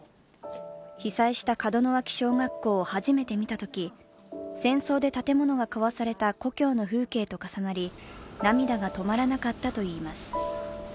被災した門脇小学校を初めて見たとき戦争で建物が壊れた故郷の風景と重なり、涙が止まらなかったといいます。